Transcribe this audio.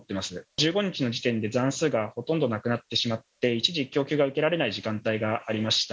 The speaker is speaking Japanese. １５日の時点で残数がほとんどなくなってしまって、一時、供給が受けられない時間帯がありました。